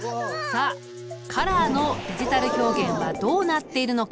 さあカラーのデジタル表現はどうなっているのか？